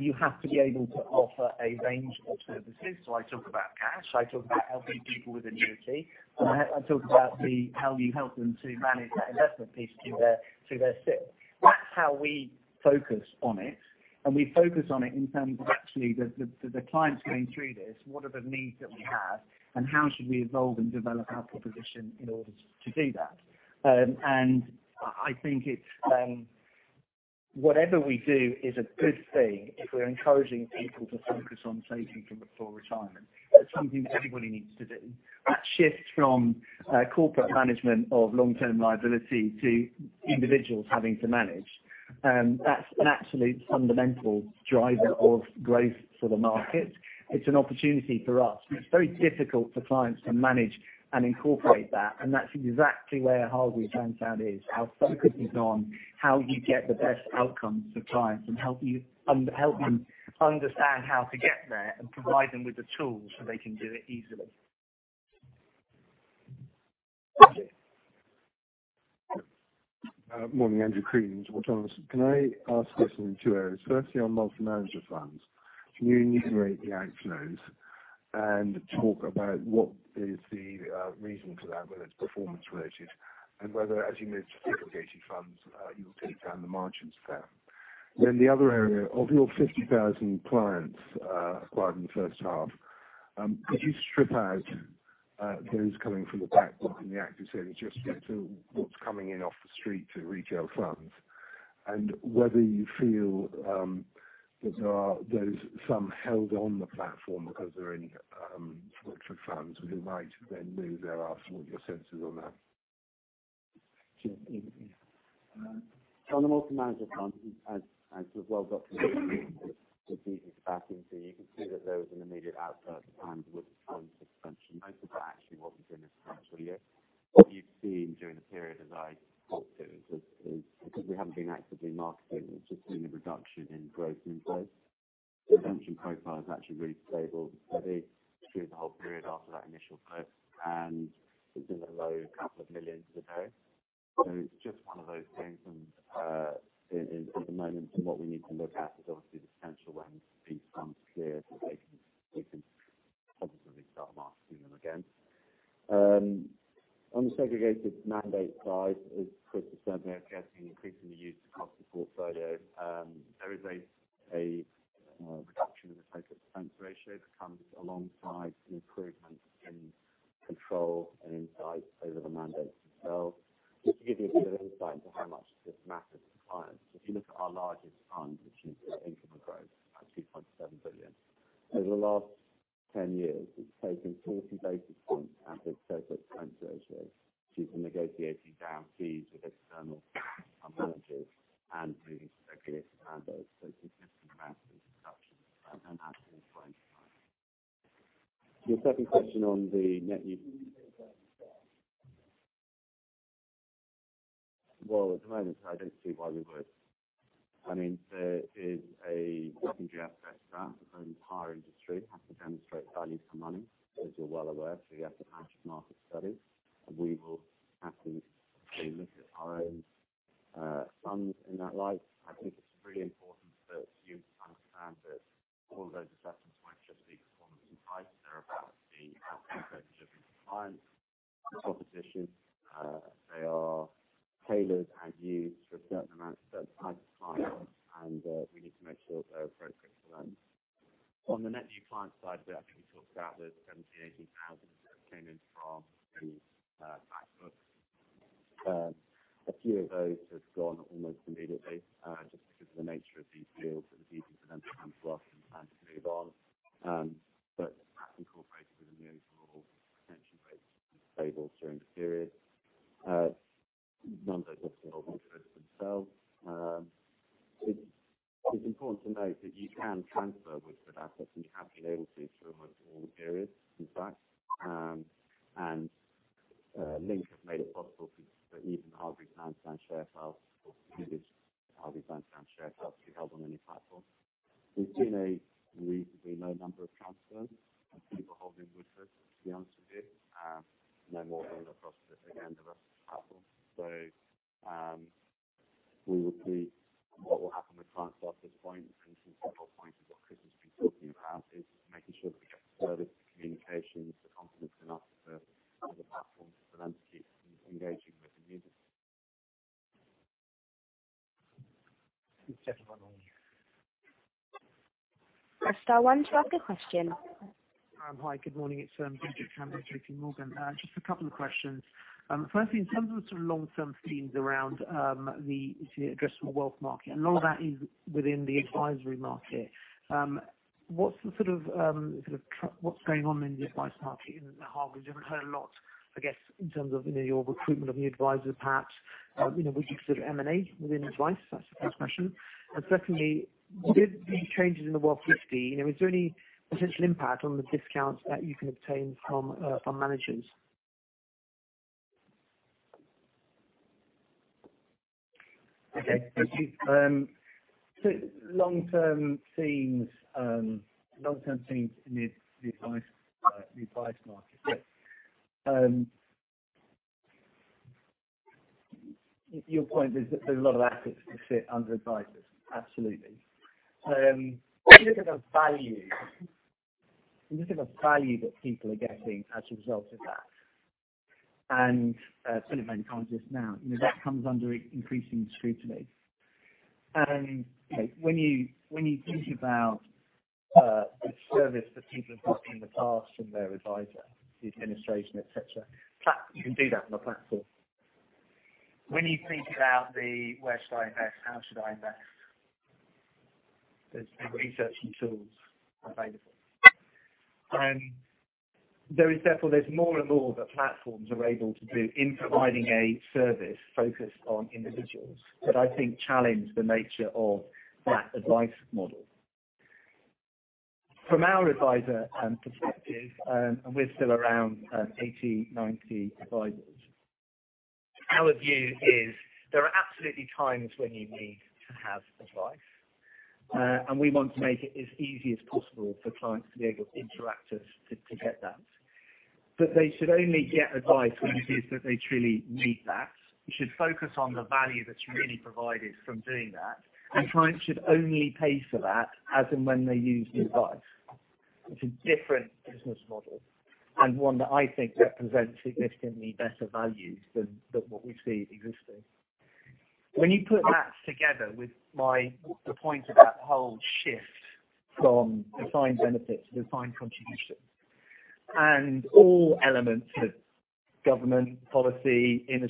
You have to be able to offer a range of services. I talk about cash, I talk about helping people with annuity, and I talk about how you help them to manage that investment piece through their SIPP. We focus on it, and we focus on it in terms of actually the clients going through this, what are the needs that we have and how should we evolve and develop our proposition in order to do that. I think whatever we do is a good thing if we're encouraging people to focus on saving for before retirement. That's something that everybody needs to do. That shift from corporate management of long-term liability to individuals having to manage. That's an absolute fundamental driver of growth for the market. It's an opportunity for us. It's very difficult for clients to manage and incorporate that, and that's exactly where Hargreaves Lansdown is, how focused it's on how you get the best outcomes for clients and help them understand how to get there and provide them with the tools so they can do it easily. Andrew. Morning, Andrew Crean. Can I ask this in two areas? Firstly, on multi-manager funds, can you enumerate the outflows and talk about what is the reason for that, whether it's performance related and whether as you move to segregated funds, you'll take down the margins there. The other area, of your 50,000 clients acquired in the first half, could you strip out those coming from the back book and the Active Savings, just stick to what's coming in off the street to retail funds? Whether you feel that there are those some held on the platform because they're in virtual funds who might then move there. What are your senses on that? Sure. On the multi-manager front, as you've well documented with the beating it back into, you can see that there was an immediate outburst of clients with the fund suspension. Most of that actually wasn't in this financial year. What you've seen during the period, as I talked to, is because we haven't been actively marketing, we've just seen a reduction in growth inflows. The suspension profile is actually really stable and steady through the whole period after that initial close, and it's in the low couple of million a day. It's just one of those things. At the moment, what we need to look at is obviously the potential when fees become clear that they can confidently start marketing them again. On the segregated mandate side, as Chris was saying, they're getting increasingly used across the portfolio. There is a reduction in the total expense ratio that comes alongside an improvement in control and insight over the mandate itself. Just to give you a bit of insight into how much this matters to clients, if you look at our largest fund, which is Income and Growth at 2.7 billion. Over the last 10 years, it's taken 40 basis points out of the total expense ratio due to negotiating down fees with external fund managers and doing segregated mandates. A significant amount of reduction in that at all points in time. Well, at the moment, I don't see why we would. There is a secondary access that the entire industry has to demonstrate value for money, as you're well aware, through the Asset Management Market studies. We will happily look at our own funds in that light. It's really important that you understand that all of those assessments weren't just the performance and price, they're about the outcome they're delivering to clients, the proposition. They are tailored and used for a certain amount, a certain type of client, and we need to make sure they're appropriate for them. On the net new client side of it, I think we talked about the 17,000, 18,000 that came in from back book. A few of those have gone almost immediately, just because of the nature of these deals and it was easy for them to transfer and to move on. That's incorporated within the overall retention rates tables during the period. None that have sold onto themselves. It's important to note that you can transfer Woodford assets and have been able to throughout all the periods, in fact. Link have made it possible for even Hargreaves Lansdown share class or previous Hargreaves Lansdown share class to be held on any platform. There's been a reasonably low number of transfers of people holding Woodford, to be honest with you, no more than across the, again, the rest of the platform. What will happen with clients at this point, and to your point of what Chris has been talking about, is making sure that we get further communications to confidence enough for other platforms for them to keep engaging with and using. STAR 1, do you have a question? Hi, good morning. It's Andrew Coombs at J.P. Morgan. Just a couple of questions. Firstly, in terms of the sort of long-term themes around the addressable wealth market. A lot of that is within the advisory market. What's going on in the advice market in Hargreaves? We haven't heard a lot, I guess, in terms of your recruitment of new advisors, perhaps, with sort of M&A within advice. That's the first question. Secondly, with these changes in the Wealth 50, is there any potential impact on the discounts that you can obtain from fund managers? Okay. Thank you. Long-term themes in the advice market. Your point is that there's a lot of assets to sit under advisers. Absolutely. When you look at the value that people are getting as a result of that, and certainly very conscious now, that comes under increasing scrutiny. When you think about the service that people have got in the past from their adviser, the administration, et cetera. You can do that from a platform. When you think about the where should I invest, how should I invest, there's the research and tools available. There's more and more that platforms are able to do in providing a service focused on individuals that I think challenge the nature of that advice model. From our adviser perspective, we're still around 80, 90 advisers. Our view is there are absolutely times when you need to have advice. We want to make it as easy as possible for clients to be able to interact with us to get that. They should only get advice when it is that they truly need that. You should focus on the value that's really provided from doing that, clients should only pay for that as and when they use the advice. It's a different business model and one that I think represents significantly better value than what we see existing. When you put that together with my point about the whole shift from defined benefits to defined contribution and all elements of government policy, et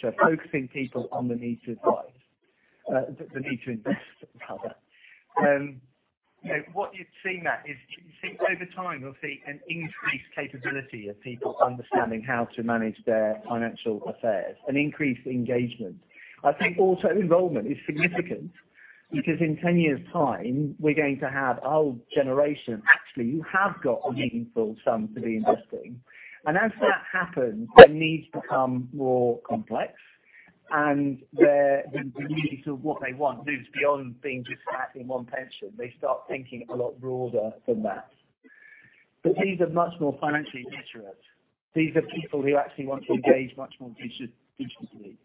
cetera, focusing people on the need to advise, the need to invest, rather. What you're seeing there is you can see over time, you'll see an increased capability of people understanding how to manage their financial affairs and increase engagement. I think auto-enrolment is significant because in 10 years' time, we're going to have a whole generation, actually, who have got a meaningful sum to be investing. As that happens, their needs become more complex and their needs of what they want moves beyond being just having one pension. They start thinking a lot broader than that. These are much more financially literate. These are people who actually want to engage much more decently.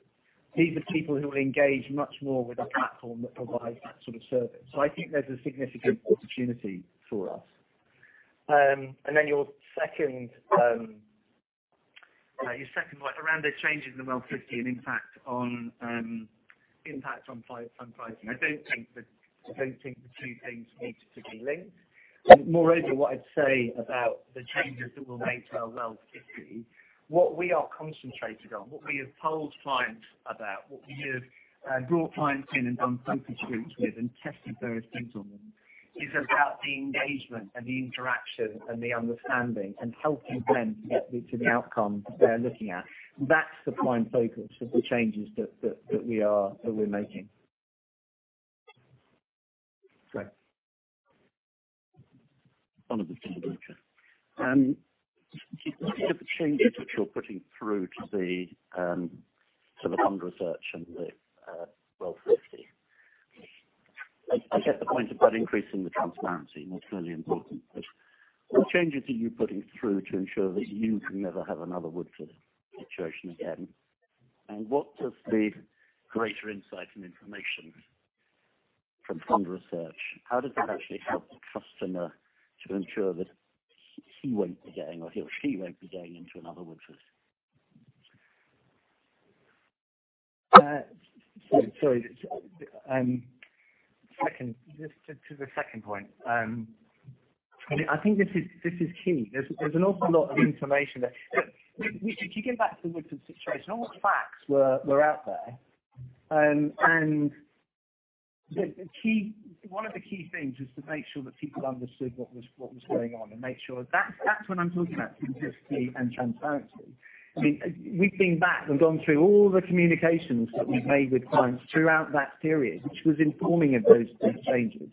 These are people who will engage much more with a platform that provides that sort of service. I think there's a significant opportunity for us. Your second one around the changes in the Wealth Shortlist and impact on pricing. I don't think the two things need to be linked. Moreover, what I'd say about the changes that we'll make to our Wealth Shortlist, what we are concentrated on, what we have told clients about, what we have brought clients in and done focus groups with and tested various things on them, is about the engagement and the interaction and the understanding and helping them get to the outcomes they're looking at. That's the prime focus of the changes that we're making. Great. One of the things, Andrew. What are the changes which you're putting through to the fund research and the Wealth Shortlist? I get the point about increasing the transparency, and that's really important. What changes are you putting through to ensure that you can never have another Neil situation again? What does the greater insight and information from fund research, how does that actually help the customer to ensure that he won't be getting or she won't be going into another Neil? Sorry. To the second point. I think this is key. There's an awful lot of information there. If you go back to the Neil situation, all the facts were out there, and one of the key things is to make sure that people understood what was going on and make sure That's what I'm talking about, transparency. We've been back and gone through all the communications that we've made with clients throughout that period, which was informing of those changes.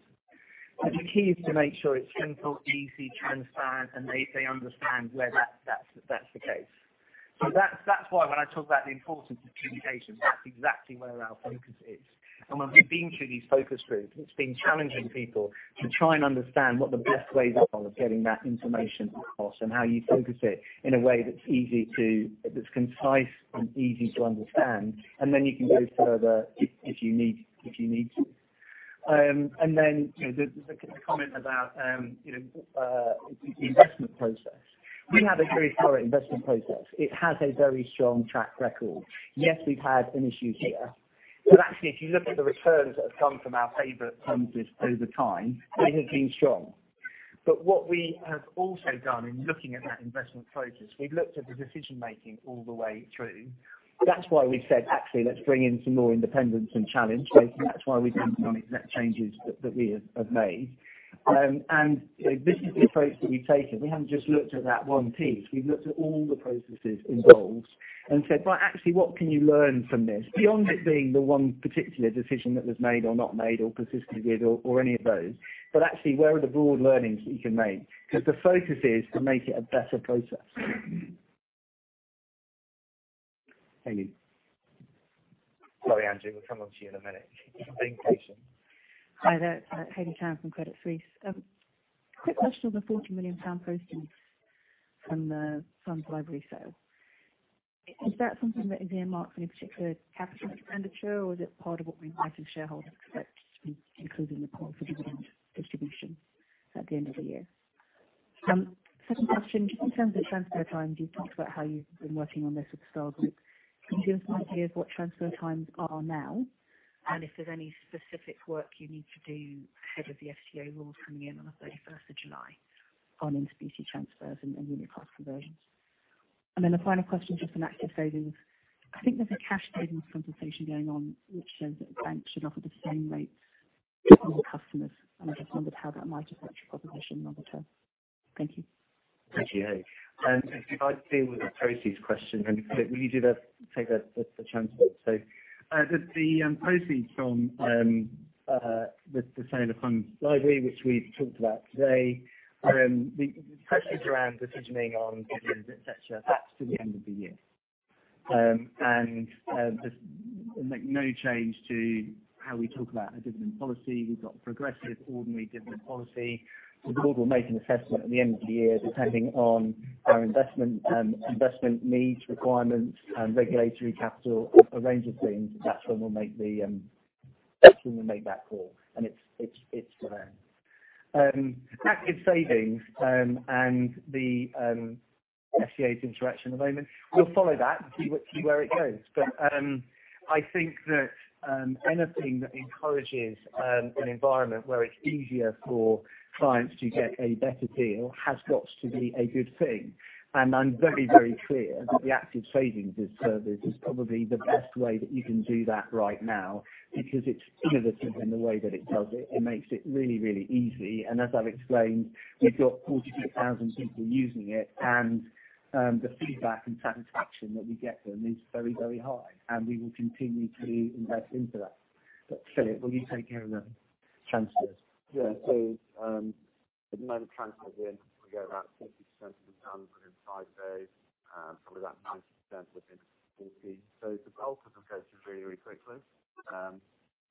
The key is to make sure it's simple, easy, transparent, and they understand where that's the case. That's why when I talk about the importance of communication, that's exactly where our focus is. When we've been through these focus groups, it's been challenging people to try and understand what the best ways are of getting that information across and how you focus it in a way that's concise and easy to understand. Then you can go further if you need to. Then, the comment about the investment process. We have a very thorough investment process. It has a very strong track record. Yes, we've had an issue here. Actually, if you look at the returns that have come from our favorite funds list over time, they have been strong. What we have also done in looking at that investment process, we've looked at the decision-making all the way through. That's why we've said, actually, let's bring in some more independence and challenge. That's why we've done some of the changes that we have made. This is the approach that we've taken. We haven't just looked at that one piece. We've looked at all the processes involved and said, actually, what can you learn from this? Beyond it being the one particular decision that was made or not made or consistently, or any of those, actually, where are the broad learnings that you can make? The focus is to make it a better process. Hey, you. Sorry, Andrew. We'll come on to you in a minute. Be patient. Hi there. Heidi Cannon from Credit Suisse. Quick question on the 40 million pound postings from the FundsLibrary sale. Is that something that earmarks any particular capital expenditure, or is it part of what we might as shareholders expect, including the quality around distribution at the end of the year? Second question, in terms of transfer times, you've talked about how you've been working on this with the STAR group. Can you give us an idea of what transfer times are now, and if there's any specific work you need to do ahead of the FCA rules coming in on the 31st of July on in-specie transfers and unit class conversions? Then the final question, just on Active Savings. I think there's a cash savings conversation going on which says that banks should offer the same rates to all customers. I just wondered how that might affect your proposition longer term. Thank you. Thank you, Heidi. If I deal with the proceeds question, Philip, will you take the transfer? The proceeds from the sale of FundsLibrary, which we've talked about today, the questions around decisioning on dividends, et cetera, that's to the end of the year. There's no change to how we talk about a dividend policy. We've got a progressive ordinary dividend policy. The board will make an assessment at the end of the year, depending on our investment needs, requirements, and regulatory capital, a range of things. That's when we'll make that call, and it's for then. Active Savings and the FCA's interaction at the moment, we'll follow that and see where it goes. I think that anything that encourages an environment where it's easier for clients to get a better deal has got to be a good thing. I'm very, very clear that the Active Savings service is probably the best way that you can do that right now because it's innovative in the way that it does it. It makes it really, really easy. As I've explained, we've got 42,000 people using it, and the feedback and satisfaction that we get from them is very, very high, and we will continue to invest into that. Philip, will you take care of the transfers? Yeah. At the moment transfers are going out Percentages are done within five days, some of that 90% within 40. The bulk of them goes through really quickly.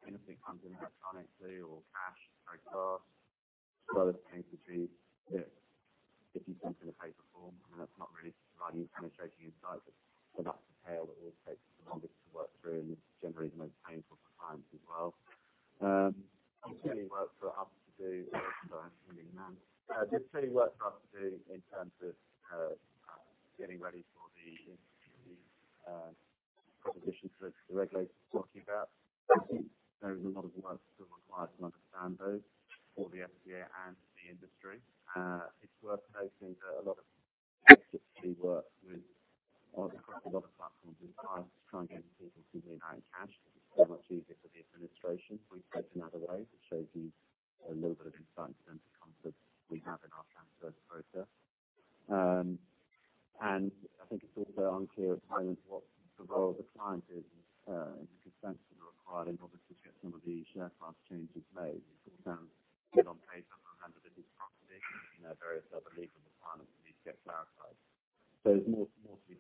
Anything comes in electronically or cash very fast. A lot of the pain could be if you sent in a paper form, then that's not really providing penetrating insight but enough detail that all takes the longest to work through and generally is the most painful for clients as well. There's plenty work for us to do. Sorry, I'm speaking now. There's plenty work for us to do in terms of getting ready for the proposition to the regulators we're talking about. There is a lot of work still required to understand those for the FCA and the industry. It's worth noting that a lot of work with across a lot of platforms with clients to try and get people to move out in cash because it's so much easier for the administration if we take them out of ways, which shows you a little bit of insight in terms of comfort we have in our transfer process. I think it's also unclear at the moment what the role of the client is in terms of consents that are required in order to get some of the share class changes made. It comes down to get on paper around the business property, various other legal requirements that need to get clarified. There's more to be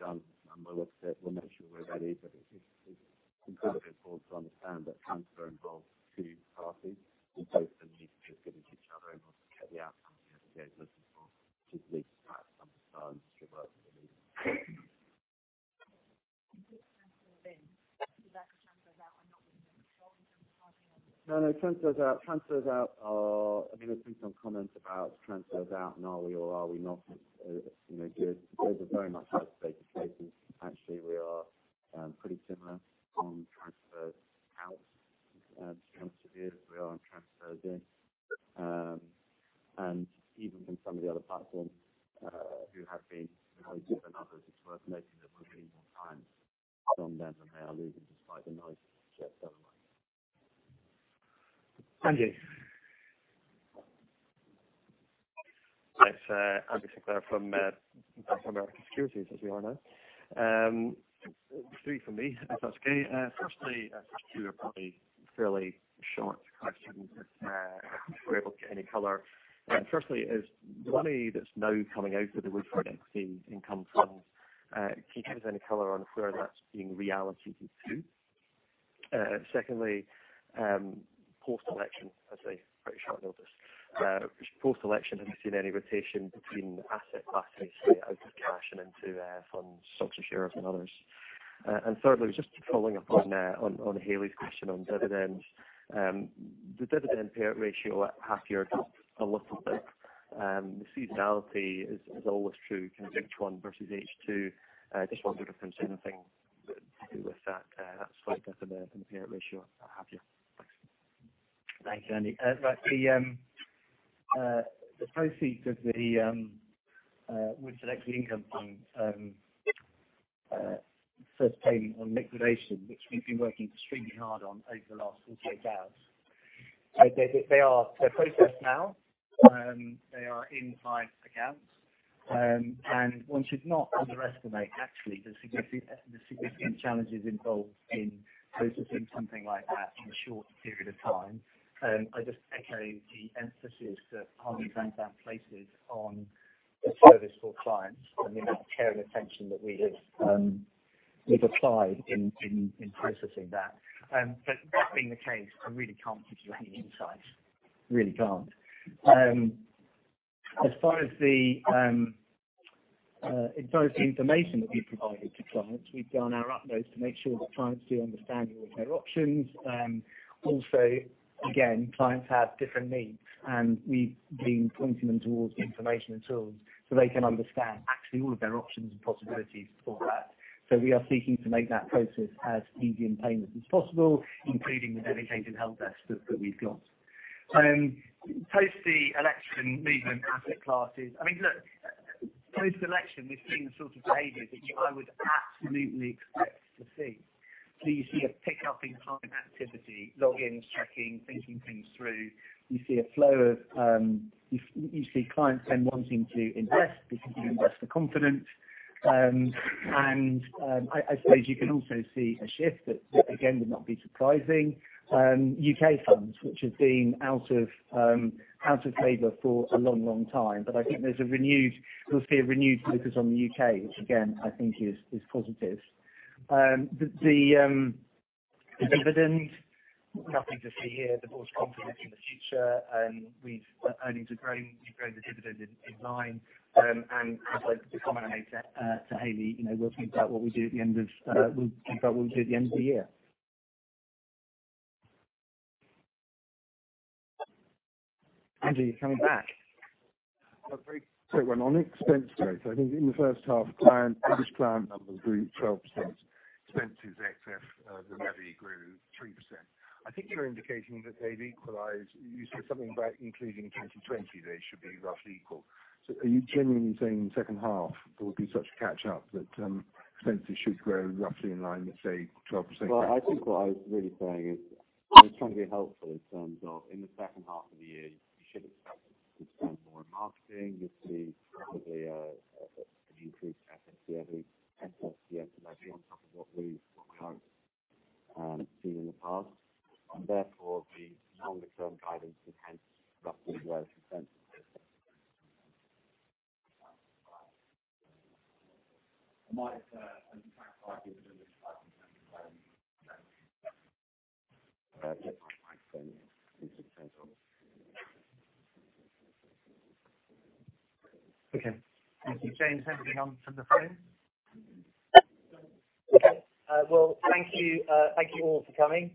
on transfers out to transferees. We are on transfers in. Even from some of the other platforms who have been the home to others, it's worth noting that we're gaining more clients from them than they are losing, despite the noise. Andy. It's Andy Sinclair from Panmure Gordon Securities, as we are now. Three from me, if that's okay. Firstly, two are probably fairly short questions if we're able to get any color. Firstly, is the money that's now coming out of the Woodford Equity Income Fund, can you give us any color on where that's being reallocated to? Secondly, post-election, I say pretty short notice. Post-election, have you seen any rotation between asset classes out of cash and into funds, Scottish Europe and others? Thirdly, just following up on Haley's question on dividends. The dividend payout ratio at half year dropped a little bit. The seasonality is always true, kind of H1 versus H2. Just wondering if there's anything to do with that spike up in the payout ratio at half year. Thanks. Thank you, Andy. Right. The proceeds of the Woodford Equity Income Fund first payment on liquidation, which we've been working extremely hard on over the last four to eight days. They are processed now. They are in client accounts. One should not underestimate, actually, the significant challenges involved in processing something like that in a short period of time. I just echo the emphasis that Hargreaves Lansdown places on the service for clients, and the amount of care and attention that we have applied in processing that. That being the case, I really can't give you any insight. Really can't. As far as the information that we provided to clients, we've done our utmost to make sure that clients do understand all of their options. Again, clients have different needs. We've been pointing them towards the information and tools so they can understand actually all of their options and possibilities for that. We are seeking to make that process as easy and painless as possible, including the dedicated help desk that we've got. Post the election movement asset classes, post-election, we've seen the sort of behaviors which I would absolutely expect to see. You see a pickup in client activity, logins, checking, thinking things through. You see clients then wanting to invest because you invest for confidence. I suppose you can also see a shift that, again, would not be surprising. U.K. funds, which have been out of favor for a long, long time. I think you'll see a renewed focus on the U.K., which again, I think is positive. The dividend, nothing to see here. The board's confident in the future. Earnings have grown. We've grown the dividend in line. As I commented to Haley, we'll think about what we do at the end of the year. Andy, you're coming back. Sorry, on expense rates, I think in the first half, British plan numbers grew 12%, expenses ex-FCA, the levy grew 3%. I think you're indicating that they've equalized. You said something about including 2020, they should be roughly equal. Are you genuinely saying in the second half, there would be such a catch-up that expenses should grow roughly in line with, say, 12%? Well, I think what I was really saying is I'm trying to be helpful in terms of in the second half of the year, you should expect to spend more in marketing. You'll see probably an increased FSC every FSP estimate on top of what we have seen in the past. Therefore, the longer-term guidance is hence roughly growth expenses. Okay. Thank you, James. Anything from the phone? Okay. Well, thank you all for coming.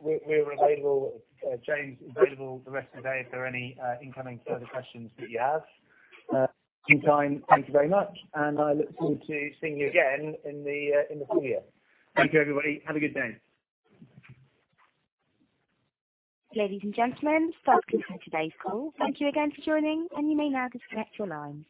We're available, James is available the rest of the day if there are any incoming further questions that you have. Meantime, thank you very much, and I look forward to seeing you again in the full year. Thank you, everybody. Have a good day. Ladies and gentlemen, thanks for today's call. Thank you again for joining, and you may now disconnect your lines.